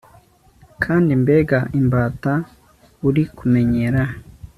Kandi mbega imbata uri kumenyera